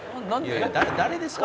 「誰誰ですか？